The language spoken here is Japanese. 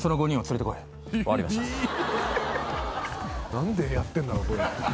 何でやってんだろう。